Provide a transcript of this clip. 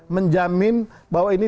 menjamin bahwa ini